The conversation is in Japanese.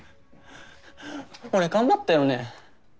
俺頑張ったよね？